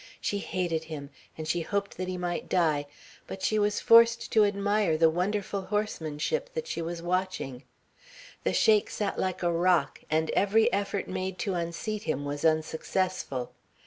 She hated him and she hoped that he might die, but she was forced to admire the wonderful horsemanship that she was watching. The Sheik sat like a rock, and every effort made to unseat him was unsuccessful.